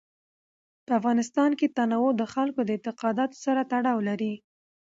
په افغانستان کې تنوع د خلکو د اعتقاداتو سره تړاو لري.